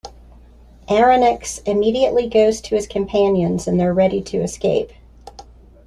Aronnax immediately goes to his companions and they are ready to escape.